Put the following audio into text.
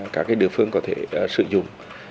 cả cái địa phương có thể sử dụng